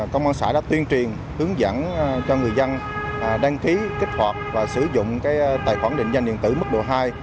công an xã đã tuyên truyền hướng dẫn cho người dân đăng ký kích hoạt và sử dụng tài khoản định danh điện tử mức độ hai